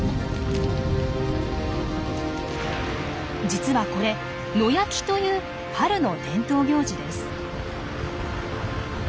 実はこれ「野焼き」という春の伝統行事です。